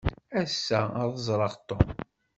Ass-a, ad ẓreɣ Tom.